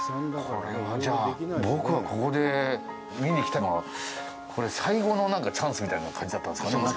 これは、じゃあ、僕はここへ見に来たのが、これ、最後のチャンスみたいな感じだったんですかね？